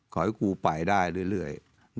ขอให้ครูไปได้เรื่อย